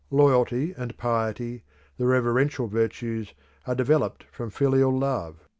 Loyalty and piety, the reverential virtues, are developed from filial love.